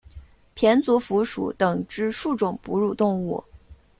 胼足蝠属等之数种哺乳动物。